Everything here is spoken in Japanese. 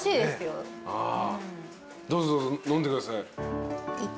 どうぞどうぞ飲んでください。